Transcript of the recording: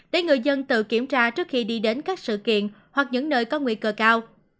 để người dân tự kiểm tra trước khi đi đến các sự kiện hoặc những nơi có nguy cơ cao